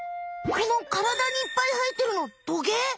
このからだにいっぱいはえてるのトゲ？